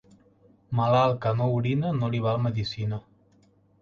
Malalt que no orina, no li val medecina.